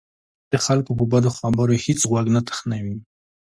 احمد د خلکو په بدو خبرو هېڅ غوږ نه تخنوي.